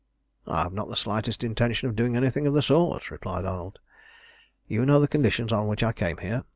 "I have not the slightest intention of doing anything of the sort," replied Arnold. "You know the conditions on which I came here.